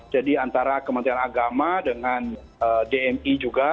jadi antara kementerian agama dengan dmi juga